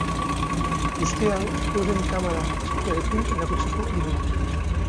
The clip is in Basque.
Guzti hau, euren kamara txikiarekin erakutsiko digute.